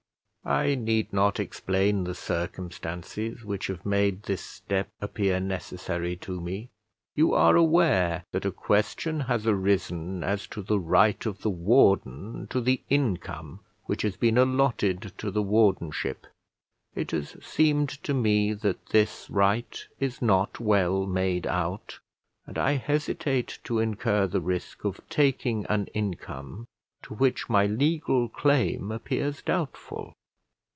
I need not explain the circumstances which have made this step appear necessary to me. You are aware that a question has arisen as to the right of the warden to the income which has been allotted to the wardenship; it has seemed to me that this right is not well made out, and I hesitate to incur the risk of taking an income to which my legal claim appears doubtful.